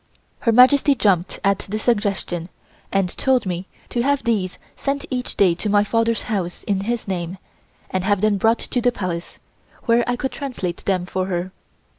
Her Majesty jumped at the suggestion and told me to have these sent each day to my father's house in his name, and have them brought to the Palace, where I could translate them for her.